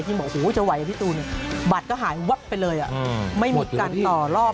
บอกโอ้โหจะไหวพี่ตูนบัตรก็หายวับไปเลยไม่มีการต่อรอบ